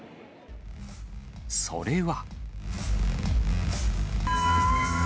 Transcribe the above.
それは。